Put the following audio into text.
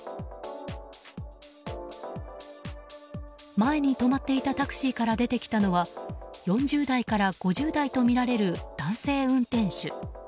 前に止まっていたタクシーから出てきたのは４０代から５０代とみられる男性運転手。